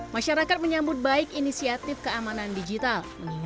masyarakat menyambut baik inisiatif keamanan digital